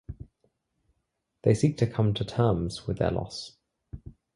They seek to come to terms with their loss.